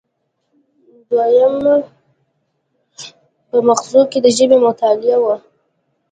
دویمه په مغزو کې د ژبې مطالعه وه